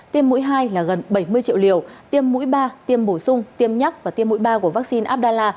tiêm mũi hai là gần bảy mươi triệu liều tiêm mũi ba tiêm bổ sung tiêm nhắc và tiêm mũi ba của vaccine abdalla